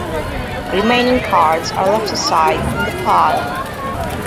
Remaining cards are left aside in the pile.